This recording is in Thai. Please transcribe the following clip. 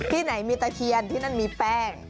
ที่ไหนมีตะเคียนที่นั่นมีแป้ง